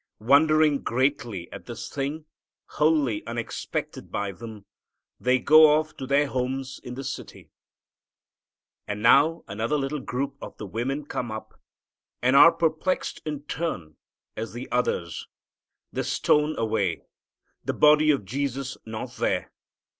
Wondering greatly at this thing, wholly unexpected by them, they go off to their homes in the city. And now another little group of the women come up, and are perplexed in turn as the others, the stone away, the body of Jesus not there.